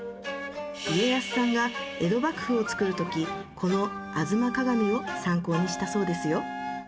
家康さんが江戸幕府をつくる時この『吾妻鏡』を参考にしたそうですよ。